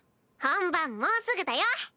本番もうすぐだよ。